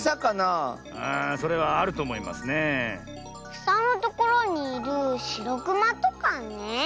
くさのところにいるしろくまとかね。